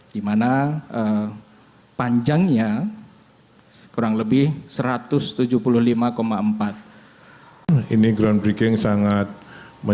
di mana panjangnya kurang lebih seratus km